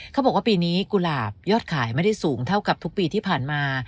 เขาบอกว่าปีนี้กุหลาบยอดขายไม่ได้สูงเท่ากับทุกปีที่ผ่านมา